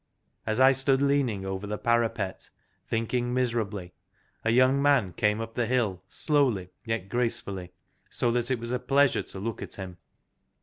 As I stood leaning over the parapet, thinking miserably, a young man came up the hill slowly yet gracefully, so that it was a pleasure to look at him.